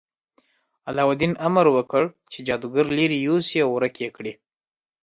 علاوالدین امر وکړ چې جادوګر لرې یوسي او ورک یې کړي.